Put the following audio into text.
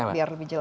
biar lebih jelas